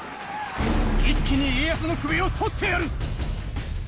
一気に家康の首を取ってやる！